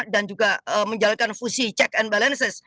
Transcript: dan juga menjalankan fusi check and balances